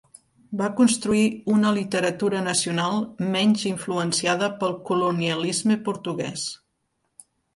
Va construir una literatura nacional menys influenciada pel colonialisme portuguès.